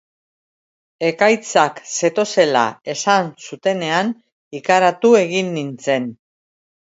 Ekaitzak zetozela esan zutenean ikaratu egin nintzen